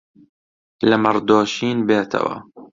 لە مەڕ دۆشین بێتەوە